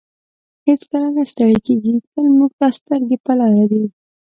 هېڅکله نه ستړی کیږي تل موږ ته سترګې په لار دی.